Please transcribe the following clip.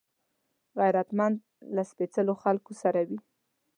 غیرتمند له سپېڅلو خلکو سره وي